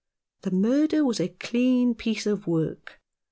The murder was a clean piece of work.